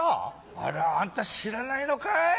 あらあんた知らないのかい？